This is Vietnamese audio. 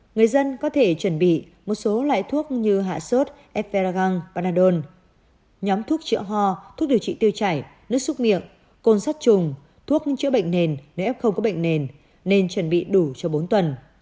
người dân có thể chuẩn bị một số loại thuốc như hạ sốt ferragang panadon nhóm thuốc chữa ho thuốc điều trị tiêu chảy nước xúc miệng côn sắt trùng thuốc chữa bệnh nền nếu f không có bệnh nền nên chuẩn bị đủ cho bốn tuần